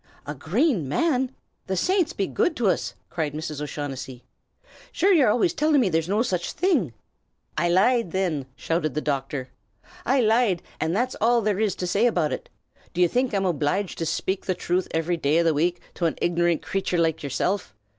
"A Grane Man! The saints be good to uz!" cried Mrs. O'Shaughnessy. "Sure, ye always till't me there was no sich thing ava'." "I lied, thin!" shouted the doctor. "I lied, an' that's all there is to say about ut. Do ye think I'm obleeged to shpake the thruth ivery day in the week to an ignor'nt crathur like yersilf?